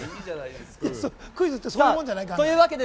クイズってそういうもんじゃない？